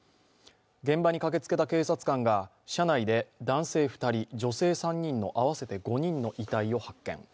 現場に駆けつけた警察官が車内で男性２人、女性３人の合わせて５人の遺体を発見。